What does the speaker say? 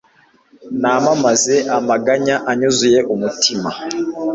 namamaze amaganya anyuzuye umutima